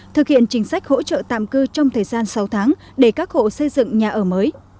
thực hiện chính sách hỗ trợ tạm cư trong thời gian sáu tháng để các hộ xây dựng nhà ở mới